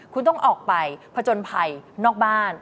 คุณต้องออกไปผจญภัยนอกบ้าน